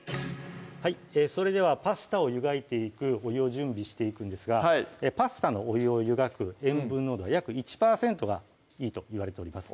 それではパスタを湯がいていくお湯を準備していくんですがパスタのお湯をゆがく塩分濃度は約１％がいいといわれております